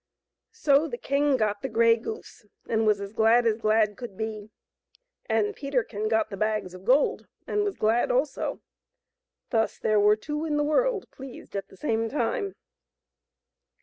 So the king got the grey goose, and was as glad as glad could be. And Peterkin got the bags of gold, and was glad also. Thus there were two in the world pleased at the same time.